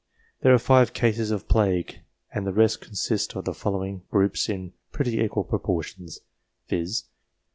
There are five cases of plague, and the rest consist of the following groups in pretty equal proportions, viz.